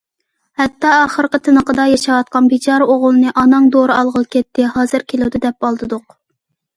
ھەتتا ئاخىرقى تىنىقىدا ياشاۋاتقان بىچارە ئوغۇلنى« ئاناڭ دورا ئالغىلى كەتتى، ھازىر كېلىدۇ» دەپ ئالدىدۇق.